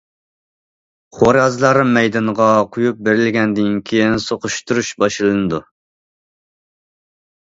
خورازلار مەيدانغا قويۇپ بېرىلگەندىن كېيىن سوقۇشتۇرۇش باشلىنىدۇ.